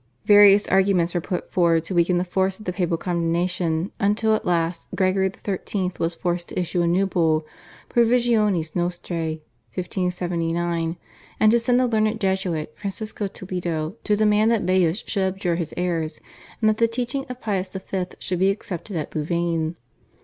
Various arguments were put forward to weaken the force of the papal condemnation until at last Gregory XIII. was forced to issue a new Bull, /Provisionis nostrae/ (1579), and to send the learned Jesuit, Francisco Toledo, to demand that Baius should abjure his errors, and that the teaching of Pius V. should be accepted at Louvain.